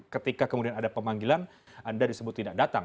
ketika kemudian ada pemanggilan anda disebut tidak datang